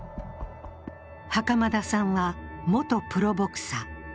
袴田さんは、元プロボクサー。